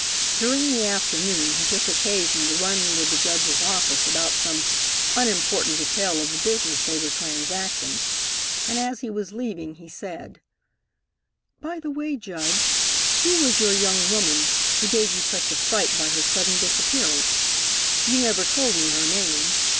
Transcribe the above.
During the afternoon he took occasion to run into the Judge's office about some unimportant detail of the business they were transacting, and as he was leaving he said: "By the way, Judge, who was your young woman who gave you such a fright by her sudden disappearance? You never told me her name.